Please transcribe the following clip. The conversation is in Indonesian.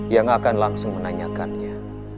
yang akan langsung menanyakannya